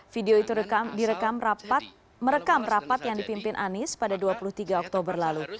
video itu merekam rapat yang dipimpin anies pada dua puluh tiga oktober lalu